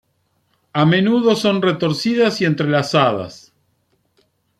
A menudo son retorcidas y entrelazadas.